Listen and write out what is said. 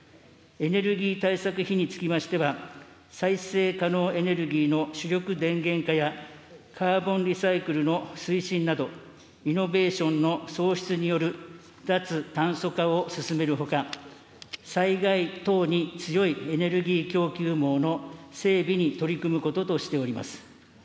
エネルギー対策費につきましては、再生可能エネルギーの主力電源化や、カーボンリサイクルの推進など、イノベーションの創出による脱炭素化を進めるほか、災害等に強いエネルギー供給網の整備に取り組むこととしております。